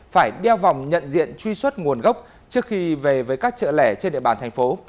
phải đeo vòng nhận diện truy xuất nguồn gốc trước khi về với các chợ lẻ trên địa bàn thành phố